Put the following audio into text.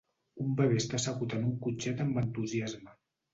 Un bebè està assegut en un cotxet amb entusiasme.